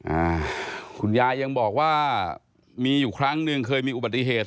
อ่าคุณยายยังบอกว่ามีอยู่ครั้งหนึ่งเคยมีอุบัติเหตุ